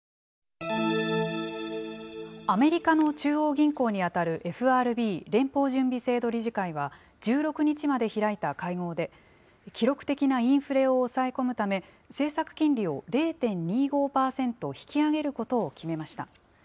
アメリカの中央銀行に当たるＦＲＢ・連邦準備制度理事会は、１６日まで開いた会合で、記録的なインフレを抑え込むため、政策金利を０．２５％引き上げることを決めました。